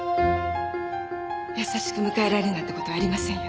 優しく迎えられるなんてことありませんよ。